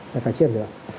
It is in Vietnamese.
phải phát triển được